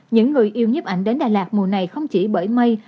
những người yêu nhếp ảnh đến đà lạt mùa này không chỉ bởi mây